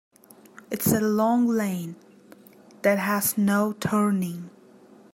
It's a long lane that has no turning.